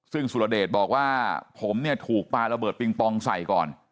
ซึ่งสุรเดชบอกว่าผมเนี่ยถูกปลาระเบิดปิงปองใส่ก่อน